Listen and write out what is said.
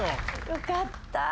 よかった。